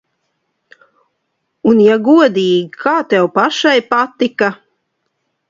Un, ja godīgi, kā tev pašai patika?